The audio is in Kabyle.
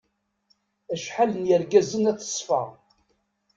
Acḥal n yergazen at ṣṣfa.